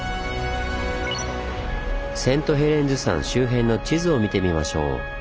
セントヘレンズ山周辺の地図を見てみましょう。